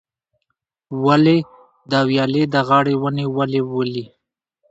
ولي، د ویالې د غاړې ونې ولې ولي؟